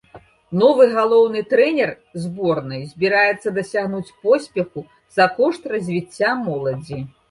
Новы галоўны трэнер зборнай збіраецца дасягнуць поспеху за кошт развіцця моладзі.